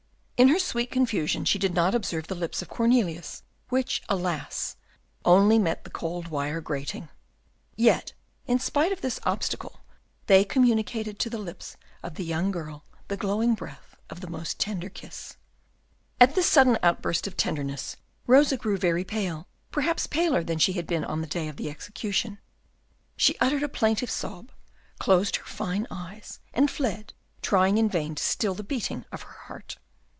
In her sweet confusion, she did not observe the lips of Cornelius, which, alas! only met the cold wire grating. Yet, in spite of this obstacle, they communicated to the lips of the young girl the glowing breath of the most tender kiss. At this sudden outburst of tenderness, Rosa grew very pale, perhaps paler than she had been on the day of the execution. She uttered a plaintive sob, closed her fine eyes, and fled, trying in vain to still the beating of her heart.